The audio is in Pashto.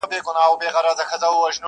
پاس د وني په ښاخونو کي یو مار وو!